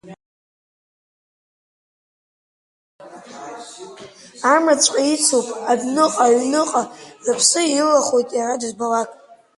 Амраҵәҟьа ицуп адәныҟа, аҩныҟа, рыԥсы илахоит иара дызбалак.